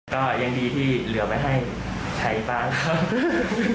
ก็ยังดีที่เหลือไว้ให้ใช้บ้างครับ